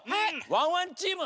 ワンワンチーム！